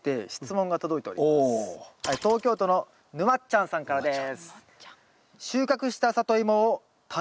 東京都のぬまっちゃんさんからです。